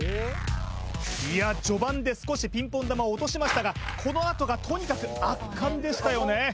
いや序盤で少しピンポン球を落としましたがこのあとがとにかく圧巻でしたよね